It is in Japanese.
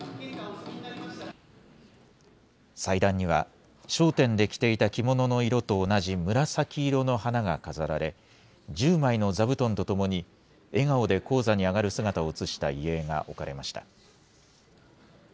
祭壇には、笑点で着ていた着物の色と同じ紫色の花が飾られ、１０枚の座布団とともに、笑顔で高座に上がる姿を写した遺影が置かれました。